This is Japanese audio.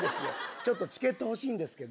ちょっとチケット欲しいんですけど。